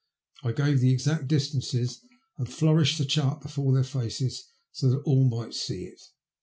I gave the exact distances, and flourished the chart before their faces so that all might see it.